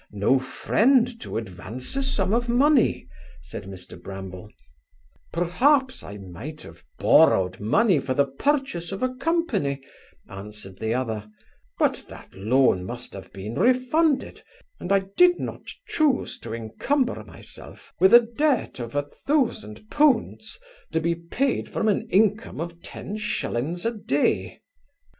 no friend to advance a sum of money?' (said Mr Bramble) 'Perhaps, I might have borrowed money for the purchase of a company (answered the other); but that loan must have been refunded; and I did not chuse to incumber myself with a debt of a thousand pounds, to be payed from an income of ten shillings a day.